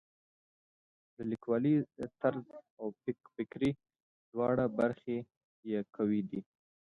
د لیکوالۍ طرز او فکري دواړه برخې یې قوي دي.